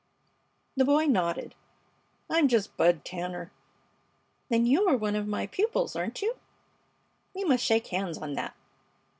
The boy nodded. "I'm just Bud Tanner." "Then you are one of my pupils, aren't you? We must shake hands on that."